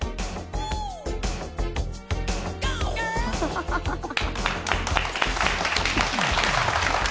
ハハハハ。